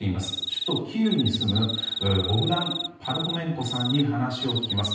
首都キーウに住むボグダン・パルホメンコさんに話を聞きます。